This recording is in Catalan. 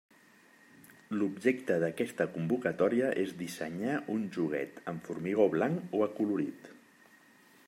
L'objecte d'aquesta convocatòria és dissenyar un joguet en formigó blanc o acolorit.